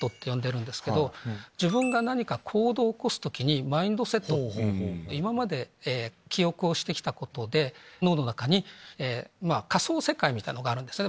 自分が何か行動を起こす時にマインドセットって今まで記憶をしてきたことで脳の中に仮想世界みたいのがあるんですね